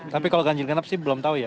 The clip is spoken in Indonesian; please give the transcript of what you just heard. tapi kalau ganjil genap sih belum tahu ya